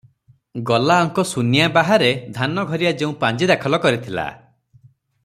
ଗଲାଅଙ୍କ ସୁନିଆଁ ବାହାରେ ଧାନଘରିଆ ଯେଉଁ ପାଞ୍ଜି ଦାଖଲ କରିଥିଲା